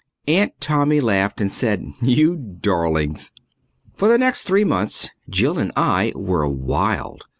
Aunt Tommy laughed and said, "You darlings." For the next three months Jill and I were wild.